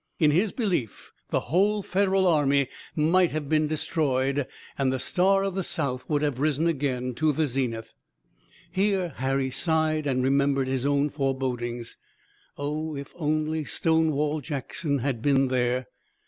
In his belief the whole Federal army might have been destroyed, and the star of the South would have risen again to the zenith. Here Harry sighed and remembered his own forebodings. Oh, if only a Stonewall Jackson had been there!